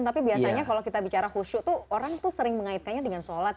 tapi biasanya kalau kita bicara khusyuk tuh orang tuh sering mengaitkannya dengan sholat